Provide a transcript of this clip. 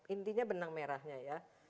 intinya benang merahnya ya